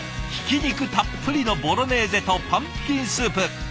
ひき肉たっぷりのボロネーゼとパンプキンスープ。